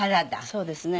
そうですね。